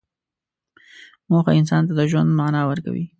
موخه انسان ته د ژوند معنی ورکوي.